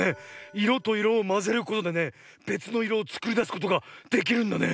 いろといろをまぜることでねべつのいろをつくりだすことができるんだね。